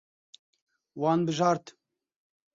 Wan bijart.